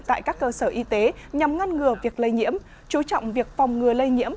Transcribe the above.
tại các cơ sở y tế nhằm ngăn ngừa việc lây nhiễm chú trọng việc phòng ngừa lây nhiễm